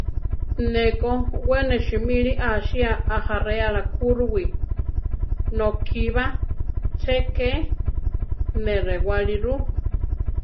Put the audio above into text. Ne ko we ne simíli ásia ajaréala kúruwi; nokí ba ché ké ne rewáli ru.